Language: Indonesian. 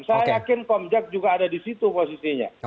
saya yakin komjak juga ada di situ posisinya